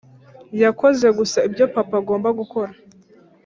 yakoze gusa ibyo papa agomba gukora